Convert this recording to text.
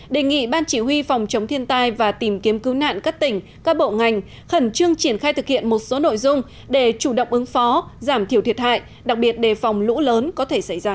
đề nghị ban chỉ huy phòng chống thiên tai và tìm kiếm cứu nạn các tỉnh các bộ ngành khẩn trương triển khai thực hiện một số nội dung để chủ động ứng phó giảm thiểu thiệt hại đặc biệt đề phòng lũ lớn có thể xảy ra